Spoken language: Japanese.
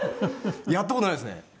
やった事ないですね。